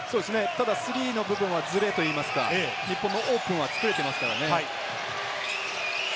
スリーの部分は、ずれといいますか、日本のオープンは作れていますからね。